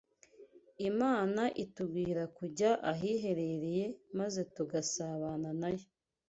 Imana itubwira kujya ahiherereye maze tugasabana na Yo